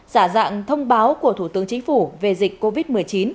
giả dạng thông báo của thủ tướng chính phủ về dịch covid một mươi chín